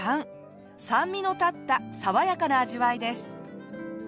酸味の立った爽やかな味わいです。